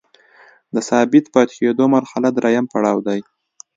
د ثابت پاتې کیدو مرحله دریم پړاو دی.